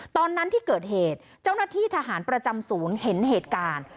ตอนนั้นที่เกิดเหตุเจ้าหน้าที่ทหารประจำศูนย์เห็นเหตุการณ์